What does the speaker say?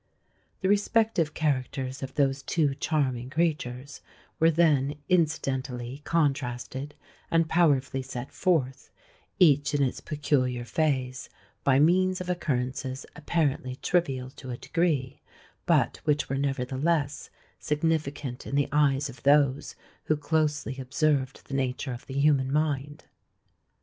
The respective characters of those two charming creatures were then incidentally contrasted and powerfully set forth, each in its peculiar phase, by means of occurrences apparently trivial to a degree, but which were nevertheless significant in the eyes of those who closely observed the nature of the human mind.